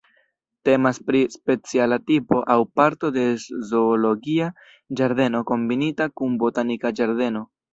Temas pri speciala tipo aŭ parto de zoologia ĝardeno kombinita kun botanika ĝardeno.